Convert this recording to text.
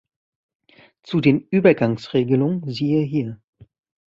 Zu den Übergangsregelungen siehe hier.